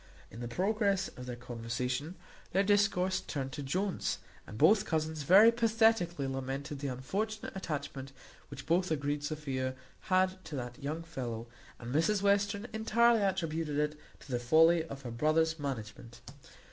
In the progress of their conversation their discourse turned to Jones, and both cousins very pathetically lamented the unfortunate attachment which both agreed Sophia had to that young fellow; and Mrs Western entirely attributed it to the folly of her brother's management.